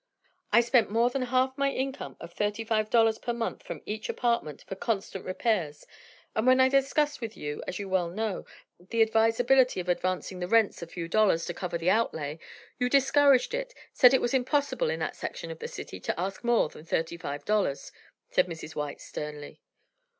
"I spent more than half of my income of thirty five dollars per month from each apartment, for constant repairs, and when I discussed with you, as you well know, the advisability of advancing the rents a few dollars to cover the outlay, you discouraged it, said it was impossible in that section of the city to ask more than thirty five dollars," said Mrs. White sternly.